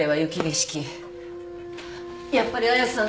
やっぱり亜矢さん